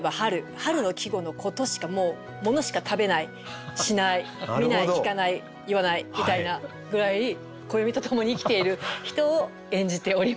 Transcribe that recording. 春の季語のことしかもうものしか食べないしない見ない聞かない言わないみたいなぐらい暦とともに生きている人を演じております。